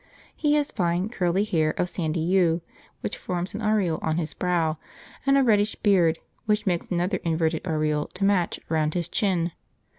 He has fine curly hair of sandy hue, which forms an aureole on his brow, and a reddish beard, which makes another inverted aureole to match, round his chin.